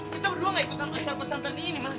kita berdua gak ikutan pesantren ini mas